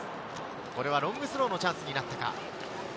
これはロングスローのチャンスになったか。